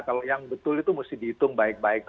kalau yang betul itu mesti dihitung baik baik saja